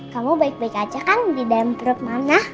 kamu baik baik aja kan di dendam perut mama